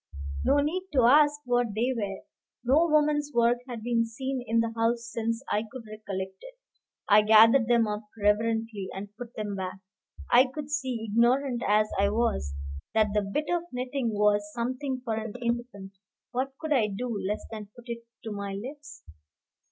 No need to ask what they were. No woman's work had been seen in the house since I could recollect it. I gathered them up reverently and put them back. I could see, ignorant as I was, that the bit of knitting was something for an infant. What could I do less than put it to my lips?